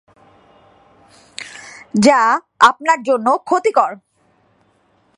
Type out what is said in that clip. যা আপনার জন্য ক্ষতিকর।